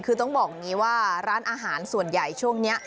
คือต้องบอกอย่างนี้ว่าร้านอาหารส่วนใหญ่ช่วงนี้